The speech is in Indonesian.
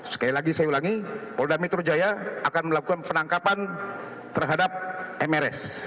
sekali lagi saya ulangi polda metro jaya akan melakukan penangkapan terhadap mrs